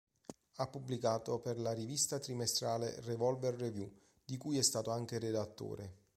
Ha pubblicato per la rivista trimestrale "Revolver Revue" di cui è stato anche redattore.